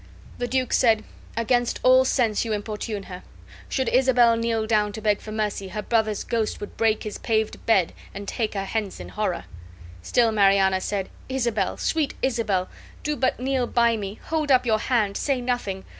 The duke said: "Against all sense you importune her. Should Isabel kneel down to beg for mercy, her brother's ghost would break his paved bed and take her hence in horror." Still Mariana said: "Isabel, sweet Isabel, do but kneel by me, hold up your hand, say nothing!